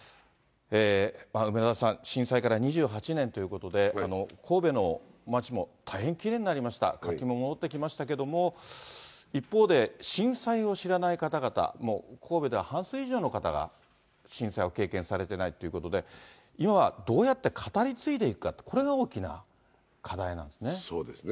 梅沢さん、震災から２８年ということで、神戸の街も大変きれいになりました、活気も戻ってきましたけれども、一方で、震災を知らない方々も、神戸では半数以上の方が震災を経験されてないっていうことで、今はどうやって語り継いでいくか、これが大きな課題なんですね。